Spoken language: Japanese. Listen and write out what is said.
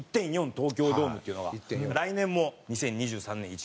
東京ドームっていうのが来年も２０２３年１月４日。